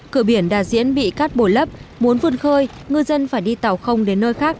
cửa biển đa diễn bị cát bổi lấp muốn phương khơi ngư dân phải đi tàu không đến nơi khác